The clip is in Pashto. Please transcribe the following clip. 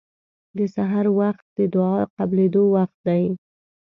د سحر وخت د دعا قبلېدو وخت دی.